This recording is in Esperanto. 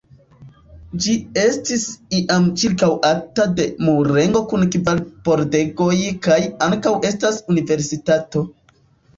Ĝi estis iam ĉirkaŭata de murego kun kvar pordegoj kaj ankaŭ estas universitato.